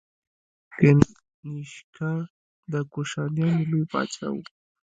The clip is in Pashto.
کنیشکا د کوشانیانو لوی پاچا و.